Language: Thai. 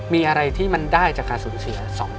มีอะไรที่มันได้จากการสูญเสีย